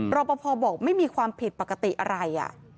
รอปภบอกไม่มีความผิดปกติอะไร